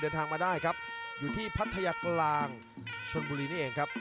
เดินทางมาได้ครับอยู่ที่พัทยากลางชนบุรีนี่เองครับ